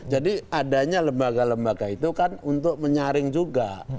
jadi adanya lembaga lembaga itu kan untuk menyaring juga